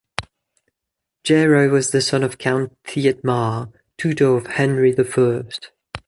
Gero was the son of Count Thietmar, tutor of Henry the First.